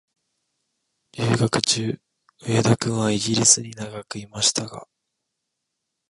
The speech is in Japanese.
留学中、上田君はイギリスに長くいましたが、